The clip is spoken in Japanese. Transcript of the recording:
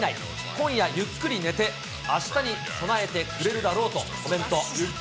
今夜ゆっくり寝て、あしたに備えてくれるだろうとコメント。